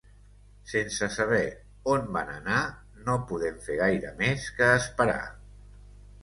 Sense saber on van anar, no podem fer gaire més que esperar.